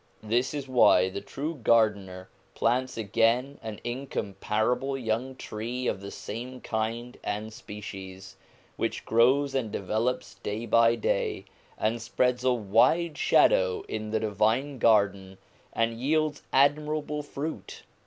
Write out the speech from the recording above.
This is why the True Gardener plants again an in comparable young tree of the same kind and species, which grows and develops day by day, and spreads a wide shadow in the divine garden, and yields admirable fruit.